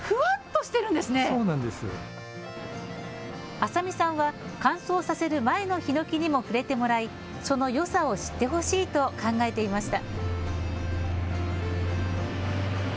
浅見さんは、乾燥させる前のひのきにも触れてもらいそのよさを知ってほしいと考えていました。